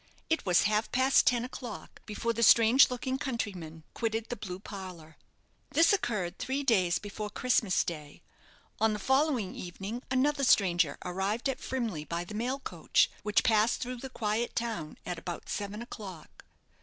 It was half past ten o'clock before the strange looking countryman quitted the blue parlour. This occurred three days before Christmas day. On the following evening another stranger arrived at Frimley by the mail coach, which passed through the quiet town at about seven o'clock.